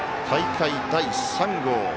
大会第３号。